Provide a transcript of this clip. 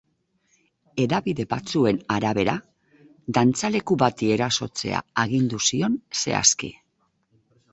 Hedabide batzuen arabera, dantzaleku bati erasotzea agindu zion, zehazki.